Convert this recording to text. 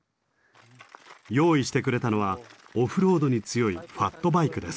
用意してくれたのはオフロードに強いファットバイクです。